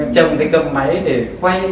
chồng thì cầm máy để quay